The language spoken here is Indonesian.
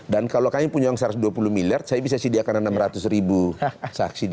dan kalau kami punya uang satu ratus dua puluh miliar saya bisa sediakan enam ratus ribu saksi